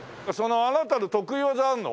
あなたの得意技あるの？